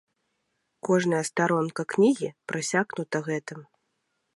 Кожная старонка кнігі прасякнута гэтым.